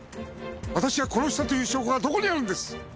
私が殺したという証拠はどこにあるんです？